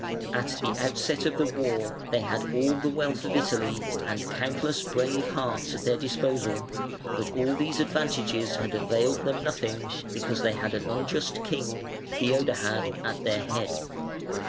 At the outset of the war they had all the wealth of Italy and countless brave hearts at their disposal, but all these advantages had availed them nothing because they had an unjust king, Theodahad, at their head.